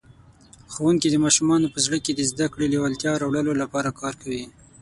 ښوونکی د ماشومانو په زړه کې د زده کړې لېوالتیا راوړلو لپاره کار کوي.